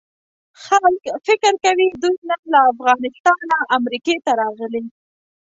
خلک فکر کوي دوی نن له افغانستانه امریکې ته راغلي.